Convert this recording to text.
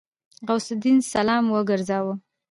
غوث الدين سلام وګرځاوه.